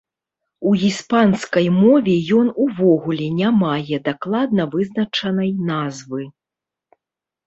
У іспанскай мове ён увогуле не мае дакладна вызначанай назвы.